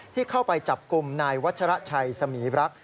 ที่เข้าไปจับกลุ่มนายวัชระชัยสมีรักษ